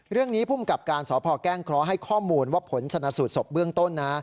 เรื่องนี้พุ่มกับการสพแกล้งเคราะห์ให้ข้อมูลว่าผลสนสูตรศพเบื้องต้น